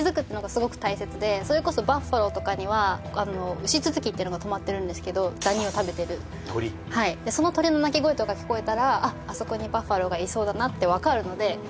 それこそバッファローとかにはウシツツキっていうのがとまってるんですけどダニを食べてる鳥はいその鳥の鳴き声が聞こえたらあっあそこにバッファローがいそうだなって分かるのでそ